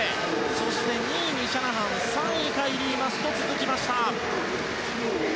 そして２位にシャナハン３位、カイリー・マスと続きました。